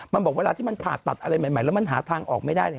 มันบอกเวลาที่มันผ่าตัดอะไรใหม่แล้วมันหาทางออกไม่ได้เลย